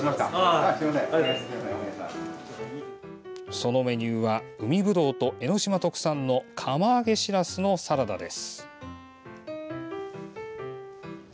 そのメニューは海ぶどうと江の島特産の釜揚げしらすのサラダです。